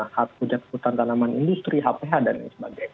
hak hutan tanaman industri hph dan lain sebagainya